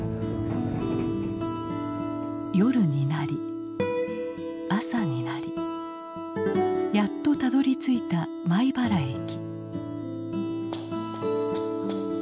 夜になり朝になりやっとたどりついた米原駅。